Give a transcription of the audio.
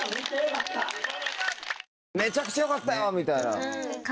・めちゃくちゃよかったよみたいな。